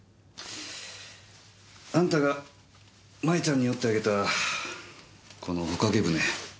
あんたが麻衣ちゃんに折ってあげたこの帆かけ舟。